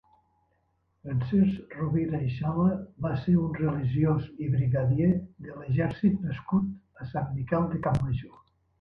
Francesc Rovira i Sala va ser un religiós i brigadier de l'exèrcit nascut a Sant Miquel de Campmajor.